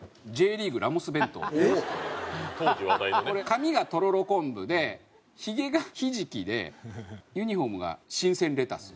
髪がとろろこんぶでひげがひじきでユニホームが新鮮レタス。